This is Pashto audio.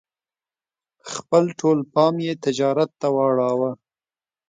خپل ټول پام یې تجارت ته واړاوه.